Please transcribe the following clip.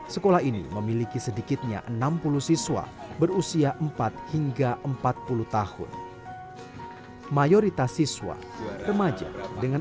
sekolah ini memiliki sedikitnya enam puluh siswa berusia empat hingga empat puluh tahun mayoritas siswa remaja dengan